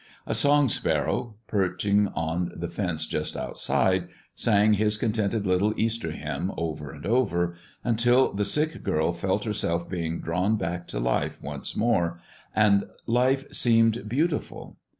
A song sparrow, perching on the fence just outside, sang his contented little Easter hymn over and over, until the sick girl felt herself being drawn back to life once more, and life seemed beautiful.